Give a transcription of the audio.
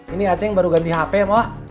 ini ya ceng baru ganti hp wak